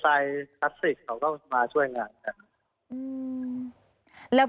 คลาสสิกเขาก็มาช่วยงานกัน